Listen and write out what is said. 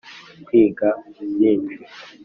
kwiga byinshi,